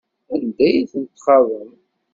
Anda ay tent-txaḍem?